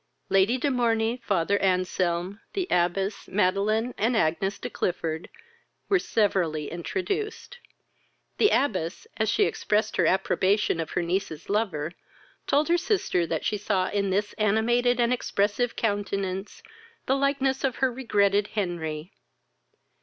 Lady de Morney, father Anselm, the abbess, Madeline, and Agnes de Clifford, were severally introduced. The abbess, as she expressed her approbation of her niece's lover, told her sister that she saw in this animated and expressive countenance a likeness of her regretted Henry.